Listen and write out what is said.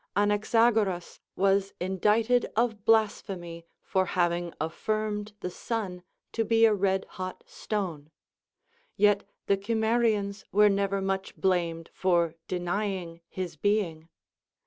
Anaxagoras Avas indicted of blasphemy for having affirmed the sun to be a red hot stone ; yet the Cimmerians were never much blamed for denying his being.